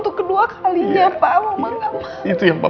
tidak ada apatik aku simpan desa perlunya